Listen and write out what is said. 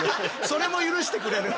それも許してくれる。